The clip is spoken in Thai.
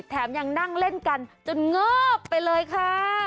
แถมยังนั่งเล่นกันจนเงิบไปเลยค่ะ